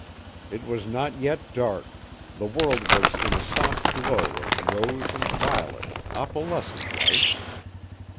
It was not yet dark; the world was in a soft glow of rose and violet, opalescent lights.